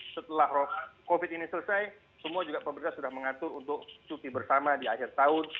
setelah covid ini selesai semua juga pemerintah sudah mengatur untuk cuti bersama di akhir tahun